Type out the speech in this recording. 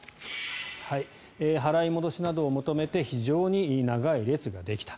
払い戻しなどを求めて非常に長い列ができた。